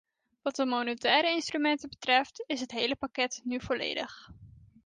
Wat de monetaire instrumenten betreft, is het hele pakket nu volledig.